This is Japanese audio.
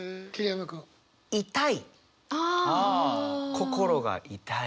心が痛い。